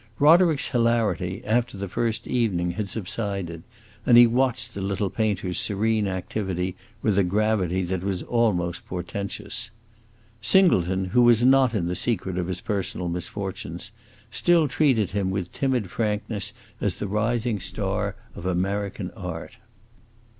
Roderick's hilarity, after the first evening, had subsided, and he watched the little painter's serene activity with a gravity that was almost portentous. Singleton, who was not in the secret of his personal misfortunes, still treated him with timid frankness as the rising star of American art.